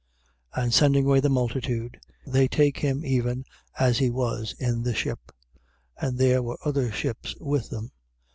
4:36. And sending away the multitude, they take him even as he was in the ship: and there were other ships with him.